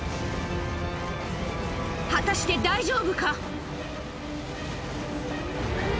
果たして大丈夫か？